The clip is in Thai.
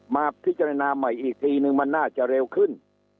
มาพิจารณาใหม่อีกทีนึงมันน่าจะเร็วขึ้น